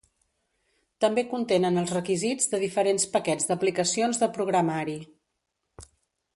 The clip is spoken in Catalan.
També contenen els requisits de diferents paquets d'aplicacions de programari.